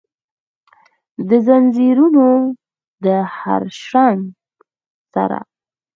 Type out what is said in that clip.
دځنځیرونو د هرشرنګ سره،